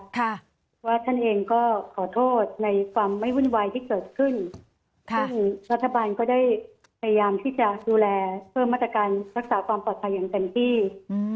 เพราะว่าท่านเองก็ขอโทษในความไม่วุ่นวายที่เกิดขึ้นซึ่งรัฐบาลก็ได้พยายามที่จะดูแลเพิ่มมาตรการรักษาความปลอดภัยอย่างเต็มที่อืม